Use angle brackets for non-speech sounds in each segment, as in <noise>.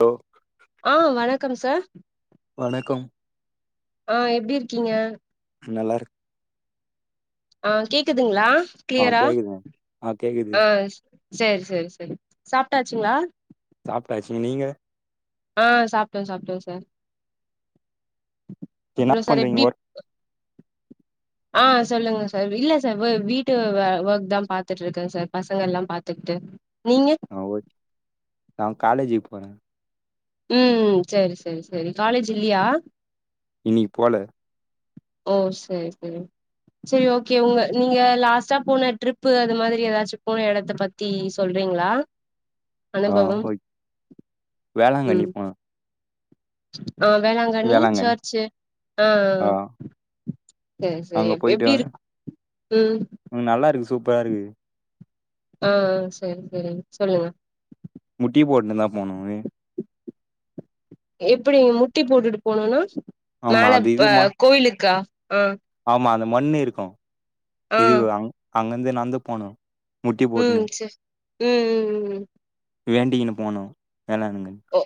Hello ஆ வணக்கம் sir வணக்கம் ஆ எப்டி இருக்கீங்க நல்லா இருக் ஆ கேக்குதுங்களா ஆ கிளியரா கேக்குதுங்க கேக்குது ஆ சேரி சேரி சேரி சாப்ட்டாச்சுங்களா சாப்ட்டாச்சு நீங்க ஆ சாப்டோ சாப்டோ சார் என்னா அப்றோ சார் பண்றீங்க எப்டி ஓர்க் ஆ சொல்லுங்க சார், இல்ல சார் வ வீட்டு வே ஒர்க் தா பாத்துட்டு இருக்க சார் பசங்க எல்லா பாத்துக்கிட்டு நீங்க ஆ ஓகே நா காலேஜி போற ம் சேரி சேரி சேரி காலேஜ் இல்லியா இன்னிக்கி போல ஓ சேரி சேரி சேரி ஓகே உங்க நீங்க லாஸ்ட்டா போன ட்ரிப்பு அது மாதிரி ஏதாச்சு போன எடத்த பத்தி சொல்றீ றீங்ளா ஆ அனுபவம் ஓகே வேளாங்கண்ணி ம் போனே ஆ வேளாங்கண்ணி சர்ச்சு, ஆ ஆ செரி செரி அங்க எப் போயிட்டு எப்டி இருக் ம் ம் நல்லா இருக்கு சூப்பரா இருக்கு ஆ ஆ சேரி சேரி சொல்லுங்க முட்டி போட்னு தா போனோமே எப்டி முட்டி போட்டுட்டு போனும்னா ஆமா மேல அது ப இது ம கோயிலுக்கா ஆ ஆமா அந்த மண்ணு இருக்கு ஆ இது அங்கருந்து நடந்து போனு முட்டி ம் போட்னு செ ம் ம் ம் வேண்டிகின்னு போனோ வேளாங்கண்ணி ஓ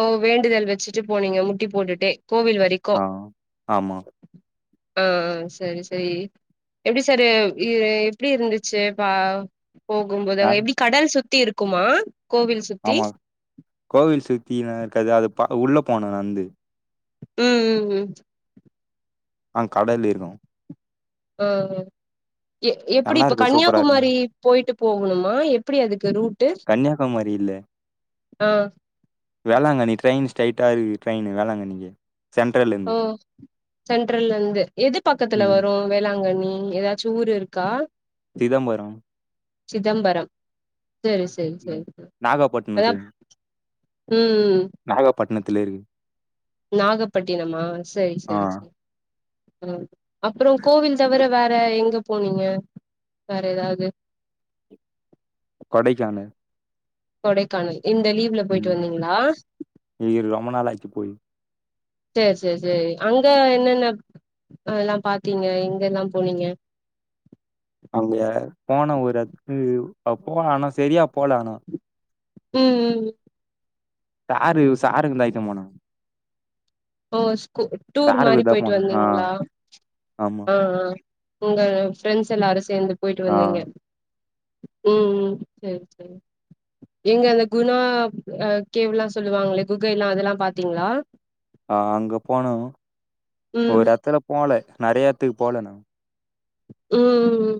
ஓ வேண்டுதல் வச்சுட்டு போனீங்க முட்டி போட்டுட்டே கோவில் வரைக்கு ஆ ஆமா ஆ ஆ சரி சரி எப்டி சார் இரு எப்டி இருந்துச்சு பா ஆ, போகும்போதுங்க எப்டி கடல் சுத்தி இருக்குமா கோவில் சுத்தி ஆமா கோவில் சுத்தில்லா இருக்காது அது பா உள்ள போனு நந்து ம் ம் ம் ஆ கடல் இருக்கு ம் ம் எ எப்புடி நல்லா இப்ப இருக்கும் சூப்பரா இருக்கும் கன்யாகுமாரி போய்ட்டு போகணுமா எப்புடி அதுக்கு ரூட்டு அ ஆ வேளாங்கண்ணி ட்ரெய்ன் ஸ்ட்ரெய்ட்டா இருக்கு ட்ரெய்னு வேளாங்கண்ணிக்கு சென்ட்ரல்ல ஓ இருந்து சென்ட்ரல்லர்ந்து எது பக்கத்துல ம் வரு வேளாங்கண்ணி ம் எதாச்சு ஊர் இருக்கா சிதம்பரோ சிதம்பரம் சேரி சேரி ம் சேரி <inaudible> அதா நாகப்பட்டினத்து ம் ம் ம் பட்ணத்துலே இருக்கு நாகப்பட்டினமா சேரி ஆ சேரி சேரி ஆ அப்பறோ கோவில் தவர வே ற எங்க போனீங்க வேற எதாவ்து கொடைக்கான கொடைக்கானல் இந்த லீவ்ல போய்ட்டு வந்தீங்ளா இது ரொம்ப நாள் ஆச்சு போய் சேர் சேர் சேரி அங்க என்னன்ன அ எல்லா பாத்தீங்க எங்கெல்லா போனீங்க அங்க போனோ ஒரு எத்துகு அ போன ஆனா செரியா போல ஆனா ம் ம் டாரு சாருங் தாய்க்க போனோ ஓ ஸ்கூ டூர் சாருக்கு மாரி தான் போய்ட்டு போனோம் ஆ வந்தீங்ளா ஆமா ஆ ஆ உங்க ஃப்ரெண்ட்ஸ் எல்லாரு சேந்து போய்ட்டு ஆ வந்தீங்க ம் ம் சேரி சேரி நீங்க அந்த குணா அ கேவெல்லா சொல்லுவாங்ளே குகைல்லா அதெல்லா பாத்தீங்ளா ஆ அங்க போனோ ம் ஒரு எத்துல போல நெறய எத்துகு போல நா ம் ம் ம்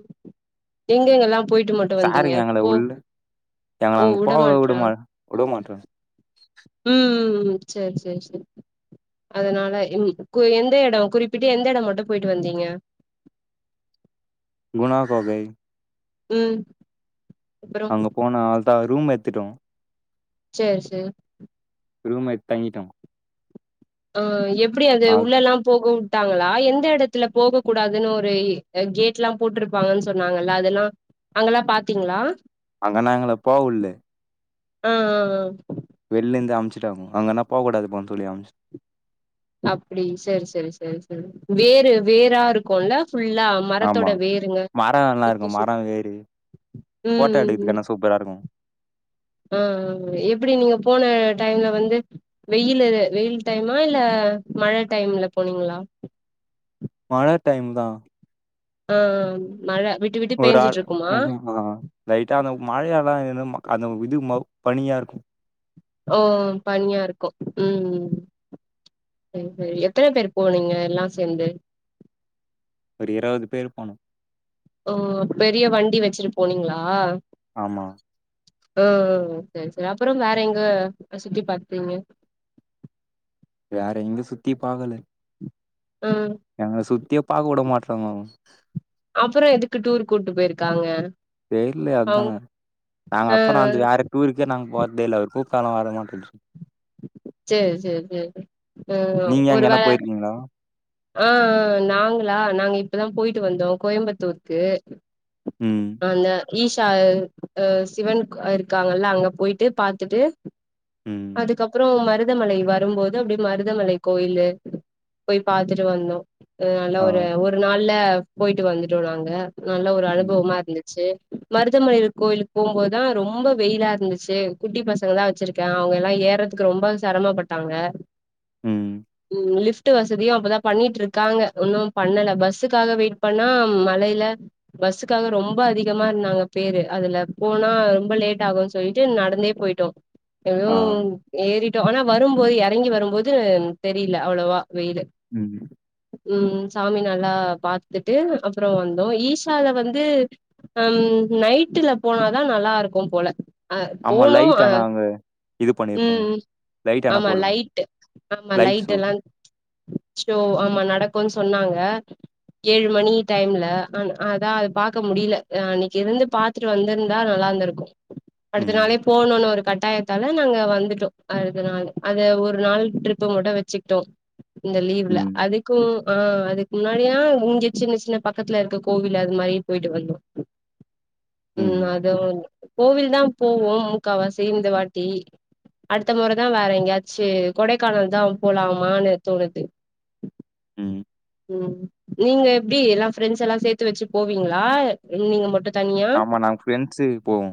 எங்கெங்கல்லா போயிட்டு மட்டு வந்தீங்க சாருங்க எங்கள போ உள்ள எங்கள ஓ அங்க உட போக விட மாட்றாங் மா விட மாட்றாங்க ம் ம் ம் சேரி சேரி சேரி அதுனால ம் கு எந்த எடோ குறிப்பிட்டு எந்த எடோ மட்டு போய்ட்டு வந்தீங்க குணா கொகை ம் அப்றோ அங்க போன ஆள் தா ரூம் எத்துட்டோ சேரி சேர் ரூம் எட்த் தங்கிட்டோ ஓ எப்டி அது அ உள்ளல்லா போக உட்டாங்களா எந்த எடத்துல போக கூடாதுனு ஒரு அ கேட்லா போட்ருப்பாங்கன் சொன்னாங்கல்ல அதெல்லா அங்கல்லா பாத்தீங்ளா அங்கனா எங்கள போவுல்லே அ அ அ வெள்லிந்து அம்ச்சுட்டாங்க அங்கனா போ கூடாதுப்பானு சொல்லி அம்ச் அப்டி சேரி சேரி சேரி சேரி வேரு வேரா இருக்குல்ல ஃபுல்லா ஆமா மரத்தோட வேருங்க மரோல்லா சுத்தி இருக்கு சுத்தி மரோ, வேரு ம் போட்டோ எடுக்கதுக்கானா சூப்பரா இருக்கு ம் ம் எப்டி நீங்க போன டைம்ல வந்து வெயிலு வெயில் டைமா இல்ல மழ டைம்ல போனீங்ளா மழ டைம் தா ஆ ஆ மழ விட்டு விட்டு ஒரு ஆள் பேஞ்சுட்டு இருக்குமா அ அ லைட்டா அந்த மழையைல்லா எனும் அந்த இது மப் பனியா இருக்கு ஓ ஒ பனியா இருக்கு ம் ம் சேரி சேரி எத்தன பேர் போனீங்க எல்லா சேந்து ஒரு இருவது பேர் போனோ ஓ பெரிய வண்டி வெச்சிட்டு போனீங்களா ஆமா அ அ சேரி சேரி அப்பறம் வேற எங்க சுத்தி பாத்தீங்க வேற எங்கயு சுத்தி பாக்கல ஆ எங்கள சுத்தியே பாக்க விட மாட்டறாங்க அவுங் அப்புறோ எதுக்கு டூர் கூட்டு போயிருக்காங்க தெர்லயே அவுங் அத்தா நாங்க ஆ அப்றோ ஆ அந்த வேற டூருக்கே நாங்க போர் நம்போ எல்லார்க்கு காலோ வர மாட்டது சேர் சேர் சேரி அ நீங்க ஒரு எங்கனா வேள போயிருக்கீங்களா அ அ நாங்களா நாங்க இப்பதா போயிட்டு வந்தோ கோயம்பத்தூருக்கு ம், அந்த ஈஷா அ அ சிவன் இருக்காங்கல்ல அங்க போயிட்டு பாத்துட்டு ம். அதுக்கப்புறோ மரு மருதமலை வரும்போது அப்டியே மருதமலை கோயில போய் பாத்துட்டு வந்தோ. நல்ல ஆ. ஒரு நாள்ல போய்ட்டு வந்துட்டோ நாங்க நல்ல ஒரு ம், அனுபவமா இரு இந்துச்சி மருதமலைல கோயிலுக் போம்போதுதா ரொம்ப வெயிலா இருந்துச்சி. குட்டி பசங்கதா வெச்சிருக்க. அவுங்கல்லா ஏறத்துக்கு ரொம்ப செரமபட்டாங்க. ம். லிஃப் ட்டு வசதியு அப்பதா பண்ணீட்டிருக்காங்க. உன்னு பண்ணல பஸ்ஸுக்காக வெயிட் பண்ணா மழைல பஸ்ஸுக்காக ரொம் ம்ப அதிகமா இருந்தாங்க பேரு. அதுல போனா ரொம்ப லேட்டாகுன் சொல்லீட்டு நடந்தே போயிட்டோ. எப்டியு ஆ. ஏறிட்டோ. ஆனா வரும்போது எறங்கி வரும்போது தெரில அவ்ளோவா வெயிலு ம் ம் சாமி நல்லா பாத்துட்டு அப்புறோ வந்தோ. ஈஷால வந்து ஹா ம் நைட்டுல போனாதா நல்லா இருக்குபோல அ ஆமா போணோ லைட் அ ஆனா அங்க இது ம் பண்ணியிருப்பாங்க. ம் லைட் ஆனா ஆமா போடுவாங்க. லைட்டு ஆமா லைட் ஷோ. லைட்டெல்லா ஷோ ஆமா நடக்குன்சொ சொன்னாங்க ஏழு மணி டைம்ல. ஆன் அதா அது பாக்க முடில. அ அன்னைக்கி இருந்து பாத்துட்டு வந்திருந்தா நல்லா இருந்திருக்கு. அடுத்த நாளே ம், போணுன்னு கட்டாயத்தால நாங்க வந்துட்டோ. அடுத்த நாள் அத ஒரு நாள் ட்ரிப்பு மட்டு வெச்சுக்கிட்டோ. இந்த லீவ்ல ம், அதுக்கு ஆ அதுக் முன்னாடியா இங்க சின்ன சின்ன பக்கத்துல இருக்க கோவில் அது மாரி போயிட்டு வந்தோ. ம் அதுவுந் கோவில்தா போவோ மூக்காவாசி இந்தவாட்டி அடுத்த முறதா வேற எங்கயாச்சி கொடைக்கானல்தா போலாமான்னு தோணுது. ம். ம் நீங்க எப்டி எல்லா ஃப்ரெண்ட்ஸ் எல்லா சேத்து வெச்சு போவீங்ளா? இல் நீங்க மட்டு தனியா ஆமா நாங்க ஃப்ரண்ட்ஸு போவோ.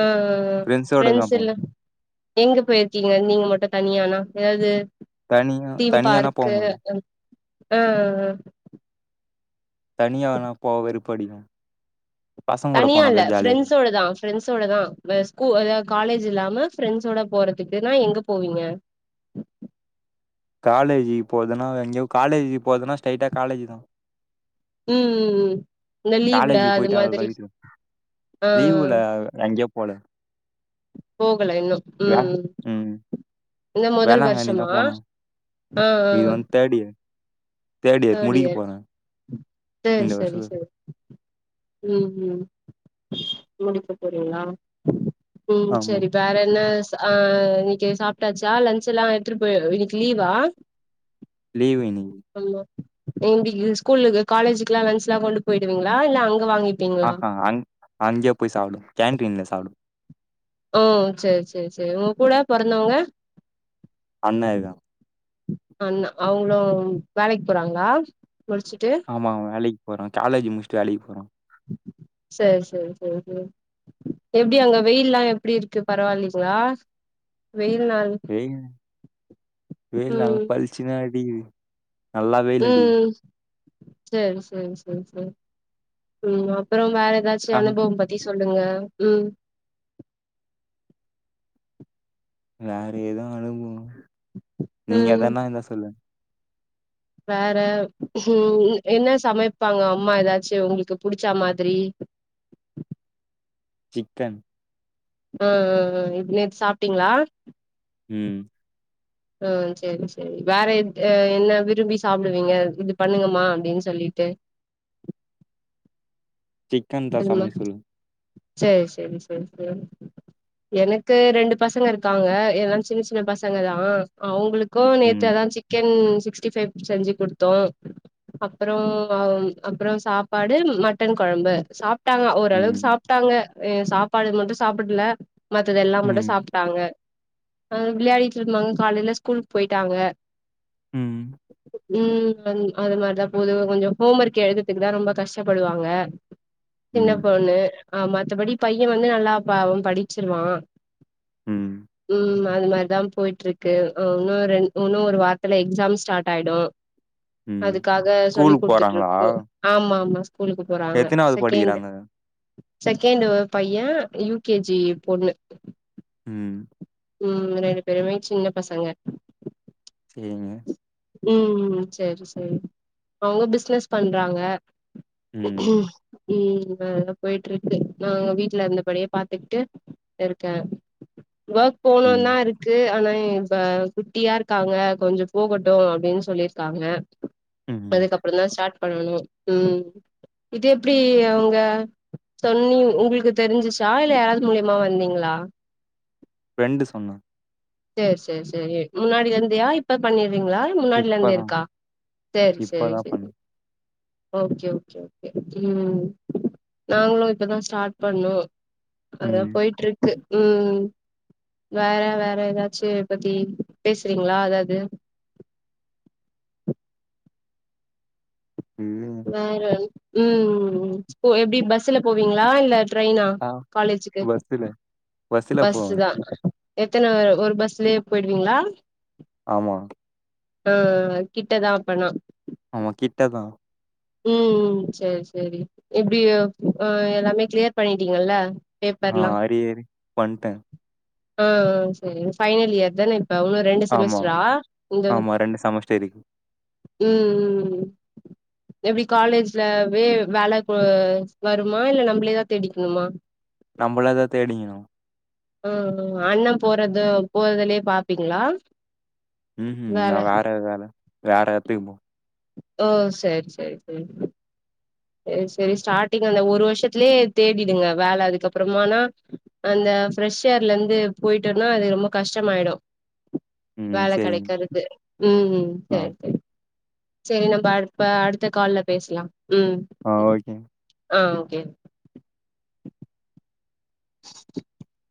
ஆ ஃப்ரெண்ஸ் எல்லா எங்க போயிருக்கீங்க நீங்க மட் டு தனியானா ஏதாது தனியா தீம் தனியானா பார்க்கு போமாட்டேன். அந் அ அ அ தனியானா போவ வெறுப்படிக்கு தனியா இல்ல ஃப்ரெண்ஸோடதா ஃப்ரெண்ஸோடதா வே ஸ்கூ அதுதா காலேஜ் இல்லாம ஃப்ரெண்ட்ஸோட போறதுக்குனா எங்க போவீங்க? காலேஜிக்கு போறது எங்கயு காலேஜி போறதுனா ஸ்ட்ரைட்டா காலேஜிதா ம் ம் ம் இந்த லீவ்ல அது போயிட்டு மாதிரி அவ்வளோதான் வீட்டுக்கு. அ அ லீவுல எங்கேயோ போல. போகல இன்னு வே ம் ம் இந்த மொதல் வேளாங்கண்ணி வர்ஷமா தான் போனோம். அ அ இது அ வந்து இயர். தேர்ட் முடிக்க இயர் போறேன். செர் இந்த செரி வருஷம் செரி உம் உம் முடிக்க போறீங்ளா ம் ஆமா. சேரி வேற என்ன ஆஹ் இன்னைக்கு சா டாச்சா லஞ்சல்லா எடுத்துட்டு போயற இன்னைக்கு லீவா லீவு இன்னிக்கி ஆமா <unintelligible> ஸ்கூலுக்கு காலேஜுக்குல்லா லன்ச்லா கொண்டு போய்டுவீங்களா? இல்ல அங் அஹா அங் அங்கயே போய் சாப்டுவ கேன்ட்டீன்ல சாப்டு ஓ சேரி சேரி சேரி உங்க கூட பொறந்தவங்க அண்ண இருகா அண்ணா அவுங்களு வேலைக் போறாங்ளா ஆமா அவ வேலைக்கு போறா காலேஜி முடிசிட்டு வேலைக்கு போறா சேரி சேரி சேரி சேரி எப்டி அங்க வெயில்லா எப்டி இருக்கு பரவால்லீங்களா வெயில் வெயில் நல்லா ம் பளிச்சுனு வெயில் நல்லா வெயிலடிக்குது ம் சேரி சேரி சேரி சேரி உம் அப்றோ வேறெதாச்சி அங்க அனுபவம் பத்தி சொல்லுங்க உம் வேற எது <unintelligible> நீங்க ம் எதான்னா இருந்தா சொல்லுங் வேற உஹம் என்ன சமைப்பாங்க அம்மா எதாச்சு உங்களுக்கு புடிச்ச மாதிரி சிக்கன் அஹ் அஹ் அஹ் நேத்து சாப்ட்டிங்ளா உம் அஹ் சரி சரி வேற என்ன விரும்பி சாப்பிடுவீங்க இது பண்ணுங்கமா அப்டின் சொல்லிட்டு <inaudible> சிக்கன் தா சமைக் சொல்வ சரி சரி சரி சரி எனக்கு ரெண்டு பசங்க இருக்காங்க எல்லா சின்ன சின்ன பசங்க தா அவுங்களுக் க்கா நேத்து ம். அதா சிக்கன் சிக்ஸ்டிஃபைவ் செஞ்சு குடுத்தோ அப்பறோ அப்பறோ சாப்பாடு மட்டன் கொழம்பு சாப்ட்டாங்க ஓரளவுக்கு ம். சாப்ட்டாங்க சாப்பாடு மட்டு சாப்பட்ல மத்ததெல்லா மட்டு ம். சாப்ட்டாங்க அ விளையாடிட்டு இருந்தாங்க காலைல ஸ்கூல் போய்ட்டாங்க ம். உம் அது மாரிதா போது கொஞ்சோ ஹோம் ஒர்க் எழுதறதுக்கு தா ரொம்ப கஷ்டப்படுவாங்க சின்ன ம். பொண்ணு ஆஹ் மத்தபடி பைய வந்து நல்லா அவ படிச்சிருவா ம். உம் அது மாரி தா போயிட்டு இருக்கு இன்னு ரெ இன்னு ஒரு வாரத்துல எக்ஸாம் ஸ்டார்ட் ஆயிடு ம். அதுக்காக சொல்லி் ஸ்கூலுக்கு கொடுத்துட்டு போறாங்களா? இருக்கு ஆமா ஆமா ஸ்கூலுக்கு போறாங்க எத்தனாவது செகெண்ட் படிக்கிறாங்க? செகேண்ட் பையன் யூ கேஜி பொண்ணு உம் உம் ரெண்டு பேருமே சின்ன பசங்க சேரிங்க உம் சரி சரி அவுங்க பிசினஸ் பண்றாங்க உம் உம் நல்லதா போயிட்டு இருக்கு நாங்க வீட்ல இருந்தபடியே பாத்துக்கிட்டு இருக்க <inaudible> ஒர்க் போனு ம். தா இருக்கு ஆனா இப்ப குட்டியா இருக்காங்க கொஞ்சோ போகட் அப்டின்னு சொல்லிருக்காங்க ம். அதுக்கப்பறோ தா ஸ்டார்ட் பண்ணணு உம் இது எப்டி அவுங்க சொன்னி உங்களுக்கு தெரிஞ்சிச்சா இல்ல யாராது மூலியமா வந்தீங்களா ஃப்ரெண்டு சொன்னா சேரி சேரி சேரி முன்னாடி இருந்தியா இப்ப பண்ணி ருங்ளா முன்னாடிலருந்தே இப்பதான் இருக்கா செரி செரி இப்பதான் செரி பண்ணேன். ஓகே ஓகே ஓகே ம் நாங்களு இப்பதா ஸ்டார்ட் பண்ணோ அதா ம். போய்ட்டு இருக்கு ம் வேற வேற எதாச்சு பத்தி பேசுறீங்ளா எதாவது <inaudible> இது வேற ம் எப்டி பஸ்ல போவீங்ளா இல்ல ட்ரெய்னா ஆ காலேஜுக்கு பஸ்ஸுல பஸ்ஸுல போவேன். பஸுதா எத்தன வெர் ஒரு பஸ்லயே போயிடுவீங்ளா ஆமா ஆ கிட்டதா அப்பனா ஆமா கிட்டதா ம் சேரி சேரி எப்டி எல்லாமே கிளியர் பண்ணிட்டீங்கல்ல ஆ பேப்பர்லா அரி ஹரி வந்டே ஆ சரி ஃபைனல் இயர் தானே இப்ப இன்னு ரெண்டு ஆமா, செமஸ்ட்ரா இந்த ஆமா செமஸ்டர் இருக்கு. ம் ம் எப்டி காலேஜ்லவே வேல வருமா இல்ல நம்மளேதா தேடிக்கணுமா நம்மளேதா தேடிக்கணு அ அண்ண போறது போறதுலயே பாப்பீங்ளா ம்ஹும் நா வேற வேல வேற எடத்துக்கு போகனு ஓ சேரி சேரி சேரி செரி செரி ஸ்டார்டிங் அந்த ஒரு வருஷத்துலயே தேடிடுங்க வேல அதுக்கப்பறமானா அந்த ப்ரெஷ் ஏர்ல இருந்து போயிட்டோனா அது ரொம்ப கஷ்டமாயிடு ம் வேலை சரிங்க. கிடைக்கறது ம் ம் ஆ, சேரி சேரி செரி நம்ம அப்ப அடுத்த கால்ல பேசலா ம் ஆ ஓகே. ஆ கே <unintelligible>